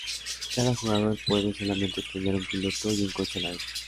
Cada jugador puede solamente tener un piloto y un coche a la vez.